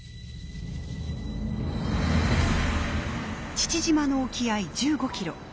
父島の沖合１５キロ。